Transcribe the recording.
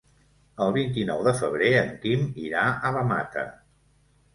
El vint-i-nou de febrer en Quim irà a la Mata.